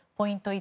１